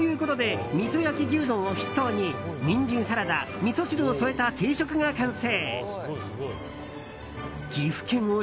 ということでみそ焼き牛丼を筆頭にニンジンサラダみそ汁を添えた定食が完成。